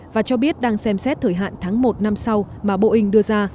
và cho biết đang xem xét thời hạn tháng một năm sau mà boeing đưa ra